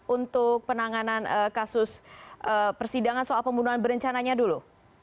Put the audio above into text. untuk penanganan kasus persidangan soal pembunuhan berencananya dulu